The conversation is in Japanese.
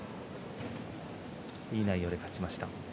いい内容で勝ちました。